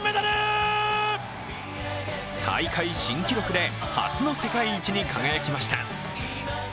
大会新記録で初の世界一に輝きました。